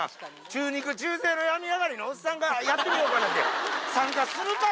中肉中背の病み上がりのおっさんが、やってみようかなって、参加するか？